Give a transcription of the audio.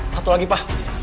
satu lagi pa